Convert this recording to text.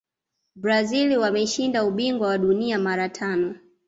brazil wameshinda ubingwa wa dunia mara tano